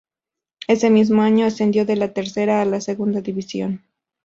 Ese mismo año ascendió de la tercera a la segunda división.